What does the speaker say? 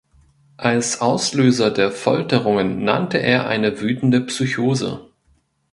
Als Auslöser der Folterungen nannte er eine „wütende Psychose“.